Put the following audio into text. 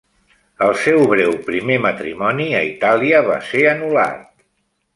El seu breu primer matrimoni a Itàlia va ser anul·lat.